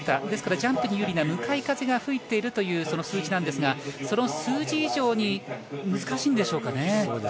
ですからジャンプに有利な向かい風が吹いているという数字ですが、その数字以上に難しいんでしょうかね。